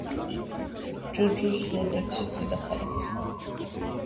ჯურჯუს ჟუდეცის დედაქალაქი.